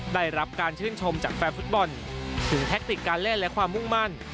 ได้รับการชื่นชมจากแฟนฟุตบอลถึงแทคติกการเล่นและความมุ่งมั่น